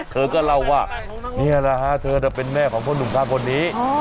เธอก็เล่าว่านี่แหละฮะเธอเป็นแม่ของพ่อหนุ่มข้างคนนี้